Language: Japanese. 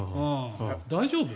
大丈夫？